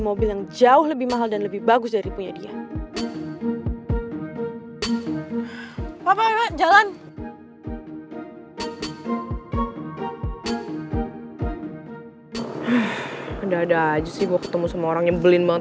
mobil aku jadi rusak di jalan